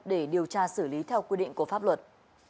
để điều tra xử lý theo quy định của pháp luật